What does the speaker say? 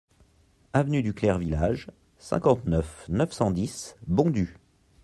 Avenue du Clair Village, cinquante-neuf, neuf cent dix Bondues